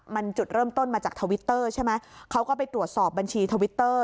มันจุดเริ่มต้นมาจากทวิตเตอร์ใช่ไหมเขาก็ไปตรวจสอบบัญชีทวิตเตอร์